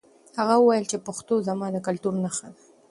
هغه وویل چې پښتو زما د کلتور نښه ده.